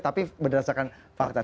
tapi berdasarkan fakta